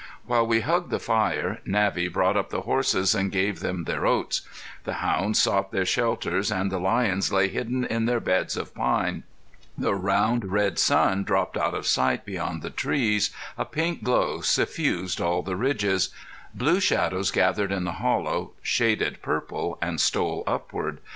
While we hugged the fire, Navvy brought up the horses and gave them their oats. The hounds sought their shelter and the lions lay hidden in their beds of pine. The round red sun dropped out of sight beyond the trees, a pink glow suffused all the ridges; blue shadows gathered in the hollow, shaded purple and stole upward.